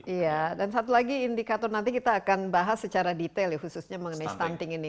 iya dan satu lagi indikator nanti kita akan bahas secara detail ya khususnya mengenai stunting ini